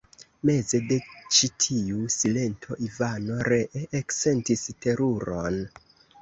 Meze de ĉi tiu silento Ivano ree eksentis teruron.